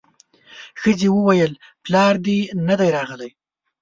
ښځې وويل پلار دې نه دی راغلی.